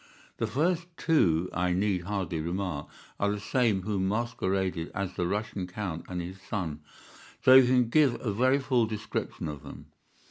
The first two, I need hardly remark, are the same who masqueraded as the Russian count and his son, so we can give a very full description of them.